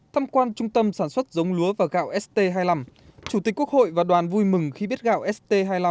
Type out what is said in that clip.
thăm quan trung tâm sản xuất giống lúa và gạo st hai mươi năm chủ tịch quốc hội và đoàn vui mừng khi biết gạo st hai mươi năm